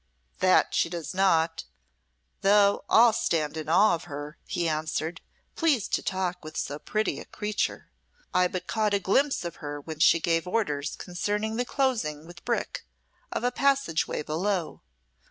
"That she does not, though all stand in awe of her," he answered, pleased to talk with so pretty a creature. "I but caught a glimpse of her when she gave orders concerning the closing with brick of a passage way below.